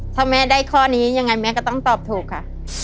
ถ้าแม่ได้ข้อนี้ยังไงแม่ก็ต้องตอบถูกค่ะ